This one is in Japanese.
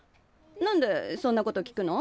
何でそんなこと聞くの？